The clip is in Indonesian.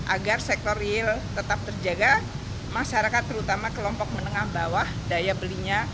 agar sektor real tetap terjaga masyarakat terutama kelompok menengah bawah daya belinya